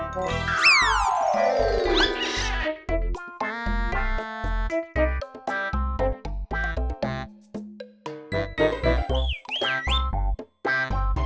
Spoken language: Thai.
คุณน้อเพื่อจะได้คุยกัน